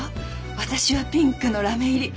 私はピンクのラメ入り。